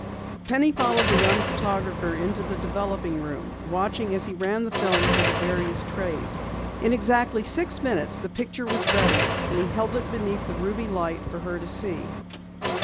Penny followed the young photographer into the developing room, watching as he ran the film through the various trays. In exactly six minutes the picture was ready, and he held it beneath the ruby light for her to see.